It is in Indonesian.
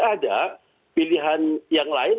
ada pilihan yang lain